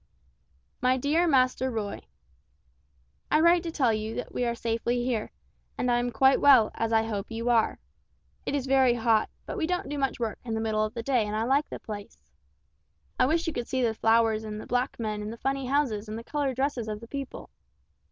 "MY DEAR MASTER ROY: "I write to tell you we are safely here and I am quite well as I hope you are. It is very hot, but we don't do much work in the middle of the day and I like the place. I wish you could see the flowers and the black men and the funny houses and the colored dresses of the people.